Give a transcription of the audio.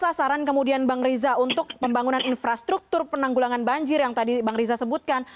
apa saran kemudian bang riza untuk pembangunan infrastruktur penanggulangan banjir yang tadi bang riza sebutkan